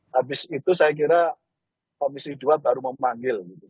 habis itu saya kira komisi dua baru memanggil gitu